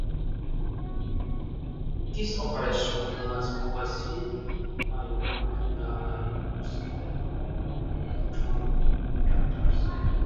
This operation was overseen by one of the other investors, Tom Danaher.